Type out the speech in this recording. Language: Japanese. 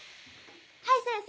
はい先生！